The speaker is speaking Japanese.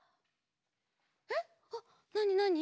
えっ？あっなになに？